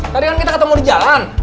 tadi kan kita ketemu di jalan